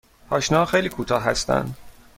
پاشنه ها خیلی کوتاه هستند.